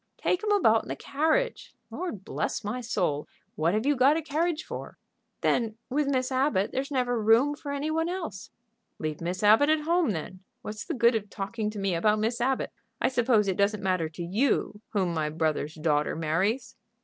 "Take 'em about in the carriage. Lord bless my soul! what have you got a carriage for?" "Then, with Miss Abbott, there's never room for any one else." "Leave Miss Abbott at home, then. What's the good of talking to me about Miss Abbott? I suppose it doesn't matter to you whom my brother's daughter marries?"